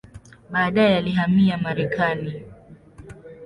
Baadaye alihamia Marekani.